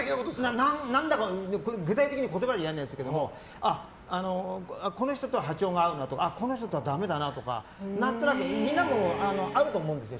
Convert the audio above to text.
具体的に言葉では言えないけどこの人とは波長が合うなとかこの人とはダメだなとか何となくみんなもあると思うんですよ。